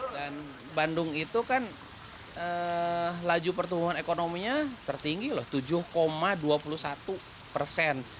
bandung itu kan laju pertumbuhan ekonominya tertinggi loh tujuh dua puluh satu persen